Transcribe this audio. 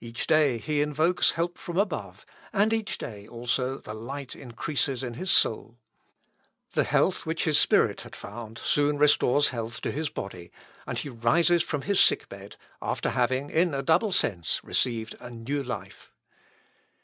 Each day he invokes help from above, and each day also the light increases in his soul. The health which his spirit had found soon restores health to his body, and he rises from his sick bed, after having, in a double sense, received a new life.